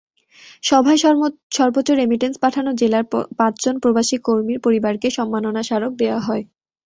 সভায় সর্বোচ্চ রেমিট্যান্স পাঠানো জেলার পাঁচজন প্রবাসী কর্মীর পরিবারকে সম্মাননা স্মারক দেওয়া হয়।